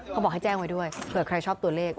เขาบอกให้แจ้งไว้ด้วยเผื่อใครชอบตัวเลข